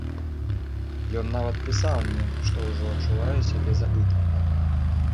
Ён нават пісаў мне, што ўжо адчувае сябе забытым.